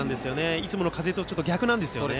いつもの風と逆なんですよね。